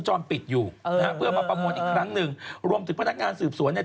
เจ้าหน้าที่คาย่พาวทางคือถามว่าเชื่อไหม